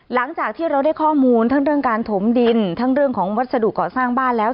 หลังจากที่เราได้ข้อมูลทั้งเรื่องการถมดินทั้งเรื่องของวัสดุเกาะสร้างบ้านแล้ว